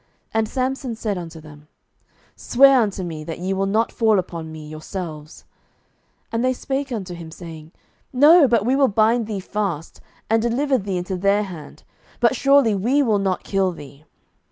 And Samson said unto them, Swear unto me, that ye will not fall upon me yourselves. 07:015:013 And they spake unto him, saying, No; but we will bind thee fast, and deliver thee into their hand: but surely we will not kill thee.